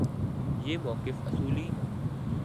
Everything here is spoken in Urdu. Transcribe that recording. یہ موقف اصولی